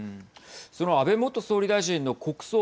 その安倍元総理大臣の国葬